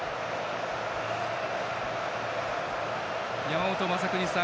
山本昌邦さん